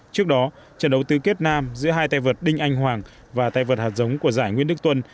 trước đó trận đấu tứ kết nam giữa hai tay vợt đinh anh hoàng và tay vợt hạt giống của giải nguyễn đức tuân